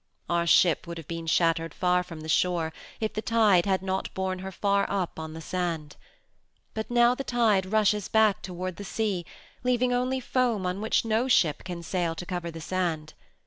Our ship would have been shattered far from the shore if the tide had not borne her far up on the sand. But now the tide rushes back toward the sea, leaving only foam on which no ship can sail to cover the sand.